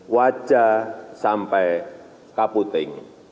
wajah sampai kaputing